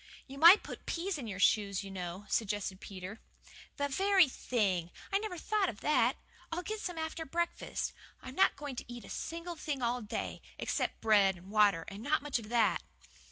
"You might put peas in your shoes, you know," suggested Peter. "The very thing! I never thought of that. I'll get some after breakfast. I'm not going to eat a single thing all day, except bread and water and not much of that!"